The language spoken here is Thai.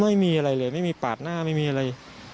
ไม่มีอะไรเลยไม่มีปาดหน้าไม่มีอะไร